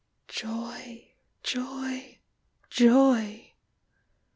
Joy ! Joy ! Joy